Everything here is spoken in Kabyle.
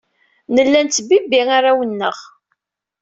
Nella nettbibbi arraw-nneɣ.